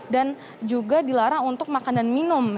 dan juga dilarang untuk makan dan minum